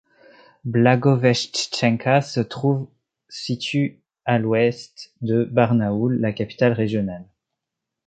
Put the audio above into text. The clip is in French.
Blagovechtchenka se trouve situe à à l'ouest de Barnaoul, la capitale régionale.